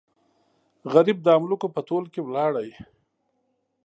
غریب د املوکو په تول کې ولاړو.